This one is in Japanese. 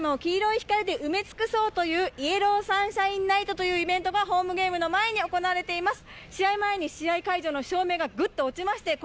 スタジアムを黄色い光で埋め尽くそうというイエローサンシャインライトというイベントがホームゲームの前に行われています。